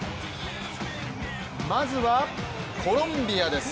まずは、コロンビアです。